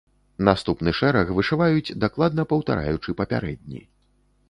Наступны шэраг вышываюць дакладна паўтараючы папярэдні.